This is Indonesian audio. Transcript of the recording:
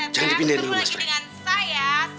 jangan dipindahin dulu mas frey